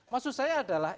maksud saya adalah